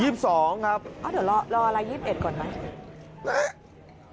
เดี๋ยวรอราย๒๑ก่อนนะ